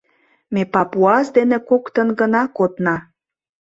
Ме папуас дене коктын гына кодна.